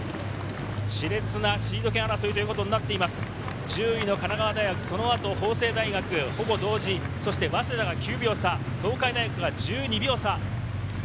し烈なシード権争いということになっています、１０位・神奈川大学、そのあと法政大学、早稲田が９秒差、東海大学は１２秒差。